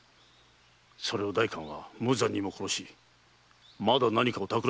それを代官は無残にも殺しまだ何かを企んでおる。